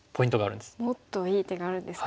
もっといい手があるんですか？